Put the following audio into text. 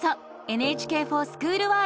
「ＮＨＫｆｏｒＳｃｈｏｏｌワールド」へ！